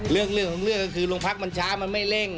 เรื่องของเรื่องก็คือโรงพักมันช้ามันไม่เร่ง